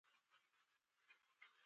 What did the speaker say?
د نجلۍ زګيروی واورېدل شو.